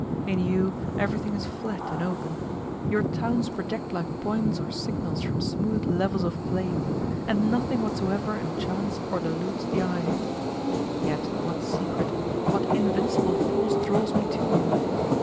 In you everything is flat and open; your towns project like points or signals from smooth levels of plain, and nothing whatsoever enchants or deludes the eye. Yet what secret, what invincible force draws me to you?